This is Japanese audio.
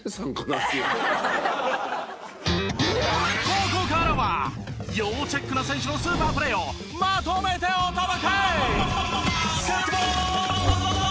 ここからは要チェックな選手のスーパープレーをまとめてお届け！